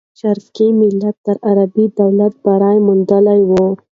شرقي ملت تر غربي دولت بری موندلی وو.